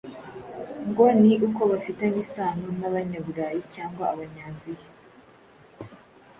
ngo ni uko bafitanye isano n'Abanyaburayi cyangwa Abanyaziya